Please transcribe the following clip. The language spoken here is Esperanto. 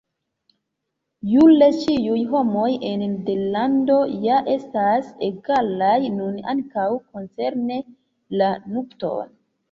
Jure ĉiuj homoj en Nederlando ja estas egalaj, nun ankaŭ koncerne la nupton.